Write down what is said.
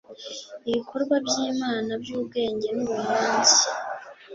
ibikorwa by'imana, byubwenge nubuhanzi